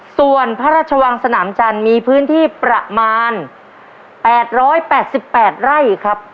ส่วนพระราชวังสนามจันทร์มีพื้นที่ประมาณ๘๘ไร่ครับ